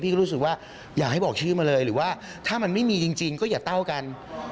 รู้สึกว่าอยากให้บอกชื่อมาเลยหรือว่าถ้ามันไม่มีจริงก็อย่าเต้ากัน